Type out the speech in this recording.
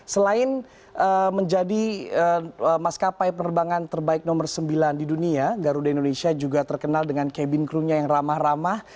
selain menjadi maskapai penerbangan terbaik nomor sembilan di dunia garuda indonesia juga terkenal dengan cabin crew nya yang ramah ramah